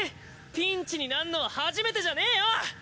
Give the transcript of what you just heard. ピンチになんのは初めてじゃねえよ！